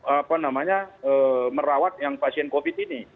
apa namanya merawat yang pasien covid ini